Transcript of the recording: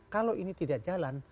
kalau ini tidak jalan